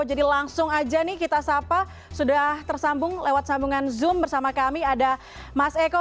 jadi langsung aja nih kita sapa sudah tersambung lewat sambungan zoom bersama kami ada mas eko